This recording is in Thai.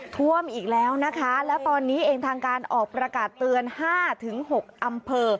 ท่วมอีกแล้วนะคะแล้วตอนนี้เองทางการออกประกาศเตือน๕๖อำเภอ